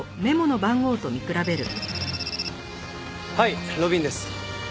はい路敏です。